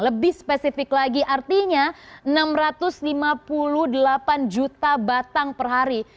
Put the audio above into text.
lebih spesifik lagi artinya enam ratus lima puluh delapan juta batang per hari